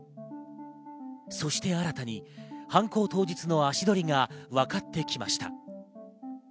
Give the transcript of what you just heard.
そして新たに犯行当日の足取りがわかってきました。